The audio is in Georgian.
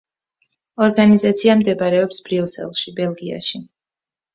ორგანიზაცია მდებარეობს ბრიუსელში, ბელგიაში.